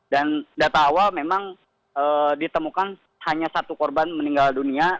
dan data awal memang ditemukan hanya satu korban meninggal dunia